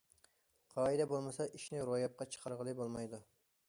قائىدە بولمىسا، ئىشنى روياپقا چىقارغىلى بولمايدۇ.